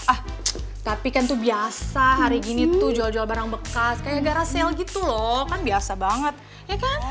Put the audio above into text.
ah tapi kan tuh biasa hari gini tuh jual jual barang bekas kayak garasel gitu loh kan biasa banget ya kan